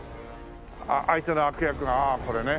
あっ相手の悪役がああこれね。